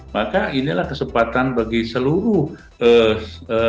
maka inilah kesempatan bagi seluruh calon dokter dan pemerintah